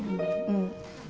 うん。